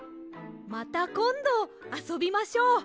またこんどあそびましょう。